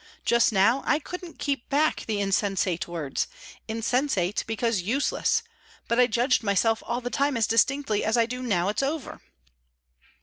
Just now, I couldn't keep back the insensate words insensate because useless but I judged myself all the time as distinctly as I do now it's over."